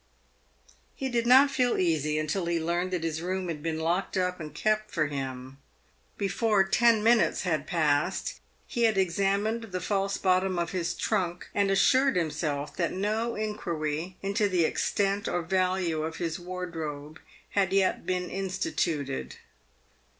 He did not feel easy until he learned that his room had been locked up and kept for him. Before ten minutes had passed he had examined the false bottom of his trunk, and assured himself that no inquiry into the extent or value of his wardrobe had yet been instituted.